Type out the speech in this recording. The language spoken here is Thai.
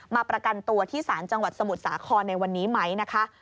มาประกันตัวที่ศาลจังหวัดสมุทรสาครในวันนี้ไหมนะคะ